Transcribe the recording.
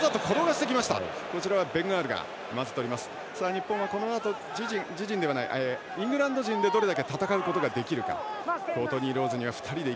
日本はこのあとイングランド陣でどれだけ戦うことができるか。